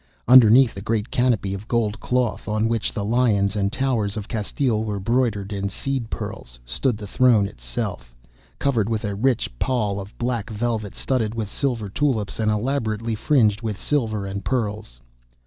Underneath a great canopy of gold cloth, on which the lions and towers of Castile were broidered in seed pearls, stood the throne itself, covered with a rich pall of black velvet studded with silver tulips and elaborately fringed with silver and pearls.